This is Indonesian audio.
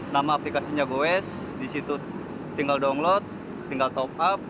nama aplikasinya goes disitu tinggal download tinggal top up